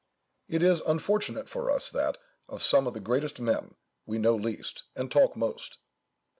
It is unfortunate for us, that, of some of the greatest men, we know least, and talk most.